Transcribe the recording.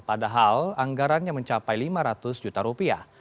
padahal anggarannya mencapai lima ratus juta rupiah